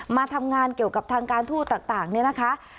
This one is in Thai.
มาทำงานเกี่ยวกับทางการทูตต่างเนี่ยนะคะ